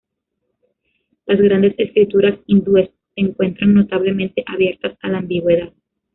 Las grandes escrituras hindúes se encuentran notablemente abiertas a la ambigüedad.